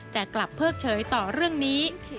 แต่กลับเพิกเฉยต่อเรื่องนี้